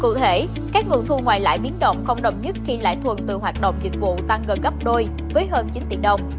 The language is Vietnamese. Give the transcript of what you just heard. cụ thể các nguồn thu ngoài lãi biến động không đồng nhất khi lãi thuận từ hoạt động dịch vụ tăng gần gấp đôi với hơn chín tỷ đồng